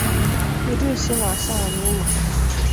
iri ise na asaa na ụma